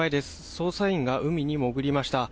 捜査員が海に潜りました。